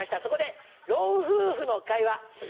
そこで老夫婦の会話。